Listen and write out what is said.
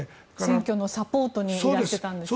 選挙のサポートにいらしてたんですよね。